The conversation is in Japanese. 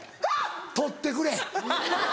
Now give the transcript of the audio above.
取ってくれ。